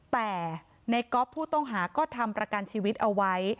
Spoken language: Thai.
แต่ในก๊อฟผู้ต้องหาก็ทำประกันชีวิตเอาไว้